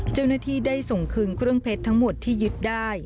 เจ้าหน้าที่ได้ส่งคืนเครื่องเพชรทั้งหมดที่ยึดได้